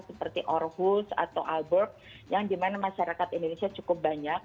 seperti orhus atau alburg yang dimana masyarakat indonesia cukup banyak